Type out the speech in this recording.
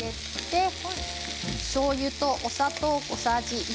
しょうゆとお砂糖小さじ１。